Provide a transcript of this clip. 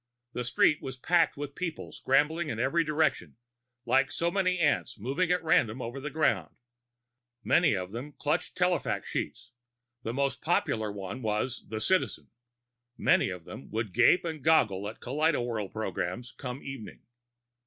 The street was packed with people scrambling in every direction, like so many ants moving at random over the ground. Many of them clutched telefax sheets and the most popular one was the Citizen. Many of them would gape and goggle at kaleidowhirl programs, come evening.